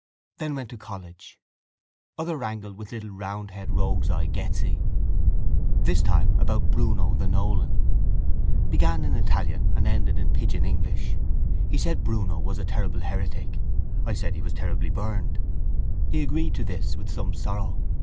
Then went to college. Other wrangle with little round head rogue's eye Ghezzi. This time about Bruno the Nolan. Began in Italian and ended in pidgin English. He said Bruno was a terrible heretic. I said he was terribly burned. He agreed to this with some sorrow.